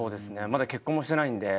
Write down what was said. まだ結婚もしてないんで。